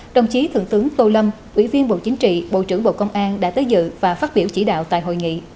đồng chí thượng tướng tô lâm ủy viên bộ chính trị bộ trưởng bộ công an đã tới dự và phát biểu chỉ đạo tại hội nghị